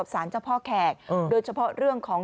สารเจ้าพ่อแขกโดยเฉพาะเรื่องของ